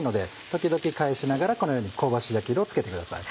時々返しながらこのように香ばしい焼き色をつけてください。